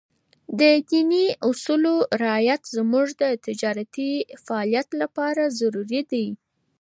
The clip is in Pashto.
د ديني اصولو رعایت زموږ د تجارتي فعالیت لپاره ضروري دی.